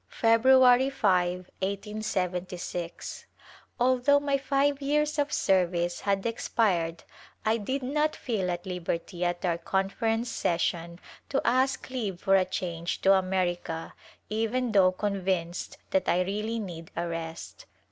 February 5, l8y6. Although my five years of service had expired I did not feel at liberty at our Conference session to ask leave for a change to America even though convinced that I really need a rest.